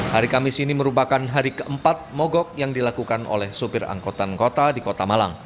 hari kamis ini merupakan hari keempat mogok yang dilakukan oleh sopir angkutan kota di kota malang